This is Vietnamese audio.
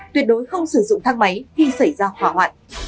tuyệt đối không sử dụng thang máy khi xảy ra hỏa hoạn